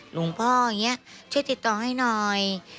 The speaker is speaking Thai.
หลวงพ่ออย่างนี้ช่วยติดต่อให้หน่อย